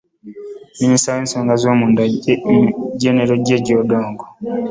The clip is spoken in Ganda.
Minisita w'ensonga ez'omunda, Jjenero Jeje Odongo